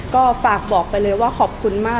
ก็ฝากบอกไปเลยว่าขอบคุณมาก